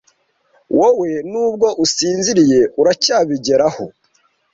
wowe nubwo usinziriye uracyabigeraho